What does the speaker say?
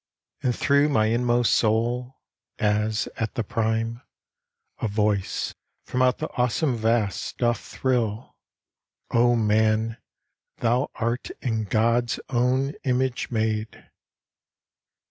And through my inmost soul, as at the prime, A voice from out the awesome vast doth thrill: "O man, thou art in God's own image made!"